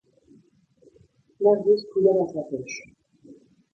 Marius fouilla dans sa poche.